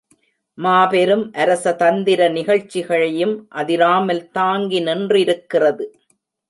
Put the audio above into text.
மாபெரும் அரசதந்திர நிகழ்ச்சிகளையும் அதிராமல் தாங்கி நின்றிருக்கிறது.